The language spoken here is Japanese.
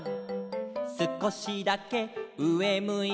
「すこしだけうえむいて」